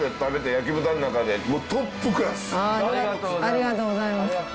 ありがとうございます。